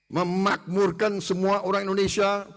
memakmurkan semua orang indonesia